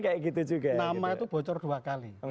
kayak gitu juga nama itu bocor dua kali